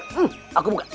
hmm aku buka